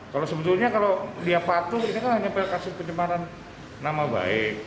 kalau sebetulnya kalau dia patuh ini kan hanya kasus pencemaran nama baik